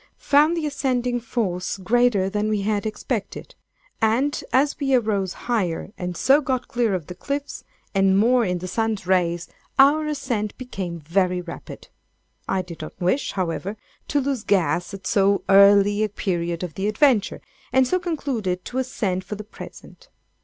Found the ascending force greater than we had expected; and as we arose higher and so got clear of the cliffs, and more in the sun's rays, our ascent became very rapid. I did not wish, however, to lose gas at so early a period of the adventure, and so concluded to ascend for the present.